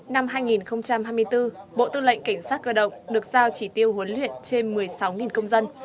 năm hai nghìn hai mươi bốn bộ tư lệnh cảnh sát cơ động được giao chỉ tiêu huấn luyện trên một mươi sáu công dân